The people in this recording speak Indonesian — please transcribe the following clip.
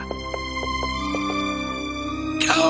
kau datang untuk kembali ke istana